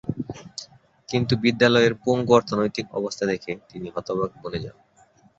কিন্তু বিদ্যালয়ের পঙ্গু অর্থনৈতিক অবস্থা দেখে তিনি হতবাক বনে যান।